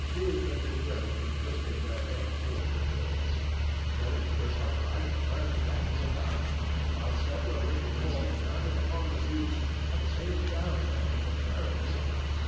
Few could refrain from twisting their heads toward the door; many stood upright and turned directly about; while several little boys clambered upon the seats, and came down again with a terrible racket.